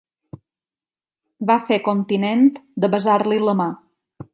Va fer continent de besar-li la mà.